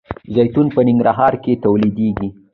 زیتون په ننګرهار کې تولیدیږي.